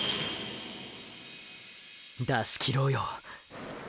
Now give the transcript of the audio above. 出しきろうよ。